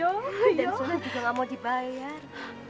dan sunan juga tidak mau dibayar